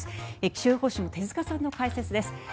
気象予報士の手塚さんの解説です。